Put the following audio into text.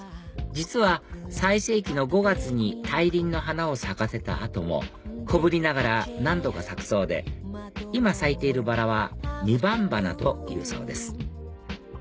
実は最盛期の５月に大輪の花を咲かせた後も小ぶりながら何度か咲くそうで今咲いているバラは２番花というそうです